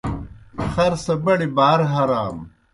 خر سہ بڑیْ بَار ہرانوْ۔